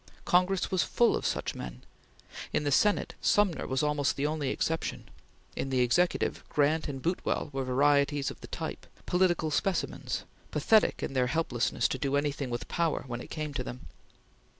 Congress was full of such men; in the Senate, Sumner was almost the only exception; in the Executive, Grant and Boutwell were varieties of the type political specimens pathetic in their helplessness to do anything with power when it came to them.